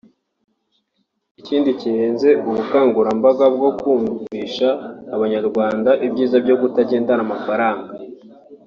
Ikindi kirenze ubukangurambaga bwo kumvisha Abanyarwanda ibyiza byo kutagendana amafaranga